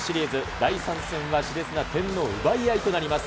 第３戦はしれつな点の奪い合いとなります。